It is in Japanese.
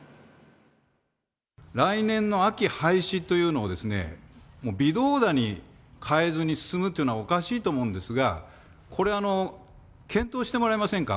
来年の秋、廃止というのを、もう微動だに変えずに進むというのは、おかしいと思うんですが、これ、検討してもらえませんか。